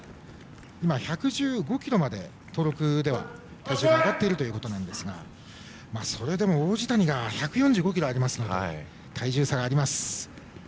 今、１１５ｋｇまで登録では体重が上がっているということですがそれでも王子谷は１４５ｋｇありますので体重差があります。